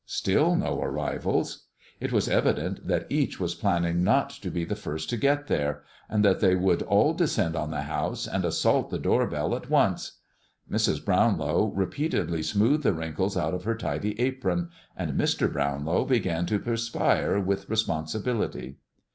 Still no arrivals. It was evident that each was planning not to be the first to get there, and that they would all descend on the house and assault the door bell at once. Mrs. Brownlow repeatedly smoothed the wrinkles out of her tidy apron, and Mr. Brownlow began to perspire with responsibility.